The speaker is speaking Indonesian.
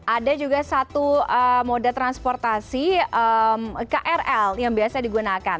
ada juga satu moda transportasi krl yang biasa digunakan